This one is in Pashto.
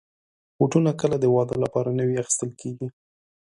بوټونه کله د واده لپاره نوي اخیستل کېږي.